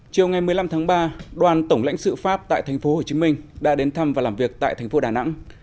chiều ngày một mươi năm tháng ba đoàn tổng lãnh sự pháp tại tp hcm đã đến thăm và làm việc tại thành phố đà nẵng